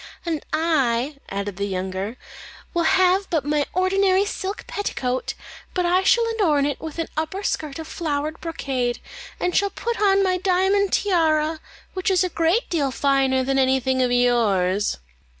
"And I," added the younger, "will have but my ordinary silk petticoat, but I shall adorn it with an upper skirt of flowered brocade, and shall put on my diamond tiara, which is a great deal finer than anything of yours."